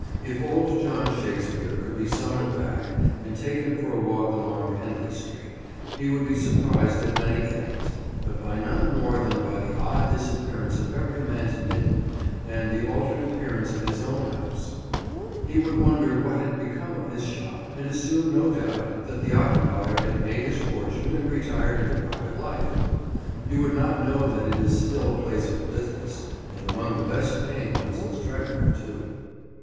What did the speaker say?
If old John Shakespeare could be summoned back and taken for a walk along Henley Street, he would be surprised at many things, but by none more than by the odd disappearance of every man's midden and the altered appearance of his own house. He would wonder what had become of his shop, and assume no doubt that the occupier had made his fortune and retired into private life. He would not know that it is still a place of business, and among the best paying ones in Stratford, too.